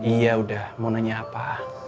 iya udah mau nanya apa